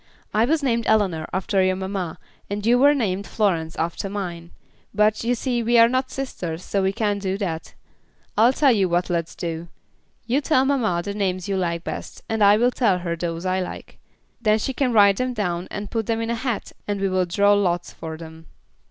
"I was named Eleanor after your mamma, and you were named Florence after mine; but, you see we are not sisters, so we can't do that. I'll tell you what let's do; you tell mamma the names you like best, and I will tell her those I like; then she can write them down and put them in a hat, and we will draw lots for them."